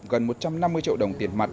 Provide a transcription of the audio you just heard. gần một trăm năm mươi triệu đồng tiền mặt